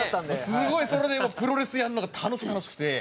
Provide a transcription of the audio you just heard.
すごいそれでプロレスやるのが楽しくて楽しくて。